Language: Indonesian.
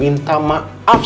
itu yang dia maksud mata